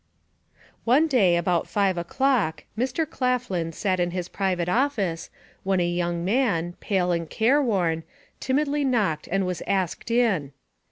One day, about five o'clock, Mr. Claflin sat in his private office when a young man, pale and careworn, timidly knocked and was asked in.